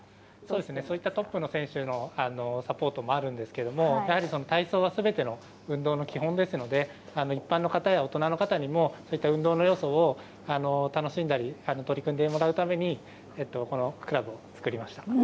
そういったトップの選手たちのサポートもあるんですがやはり体操はすべての運動の基本ですので一般の方や大人の方にも運動のよさを楽しんだり取り組んでもらうためにこのクラブを作りました。